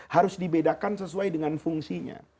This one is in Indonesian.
harus dibedakan sesuai dengan fungsinya